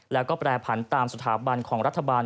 แล้วก็แปรผันตามสถาบันของรัฐบาล